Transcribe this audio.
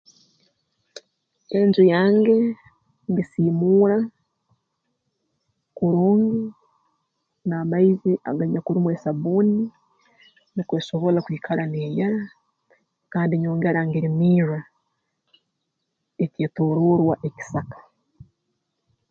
Enju yange ngisiimuura kurungi n'amaizi aganyakurumu esabbuuni nukwo esobole kwikara neeyera kandi nyongera ngirimirra eteetooroorwa ekisaka